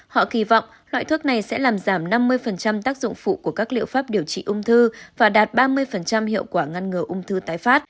họ kỳ vọng loại thuốc này sẽ làm giảm năm mươi tác dụng phụ của các liệu pháp điều trị ung thư và đạt ba mươi hiệu quả ngăn ngừa ung thư tái phát